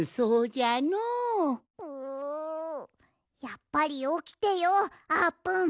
やっぱりおきてようあーぷん。